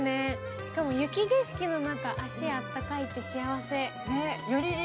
しかも雪景色の中、足、あったかいって幸せ。